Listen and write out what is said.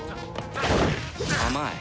甘い！